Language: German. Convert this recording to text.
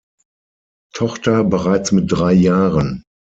Tochter bereits mit drei Jahren.